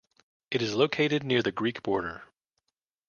It is located near the Greek border.